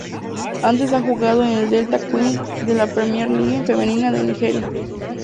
Antes ha jugado en el Delta Queens de la Premier League femenina de Nigeria.